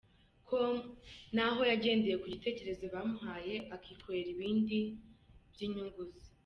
com naho yagendeye ku gitekerezo bamuhaye akikorera ibindi by’inyungu ze.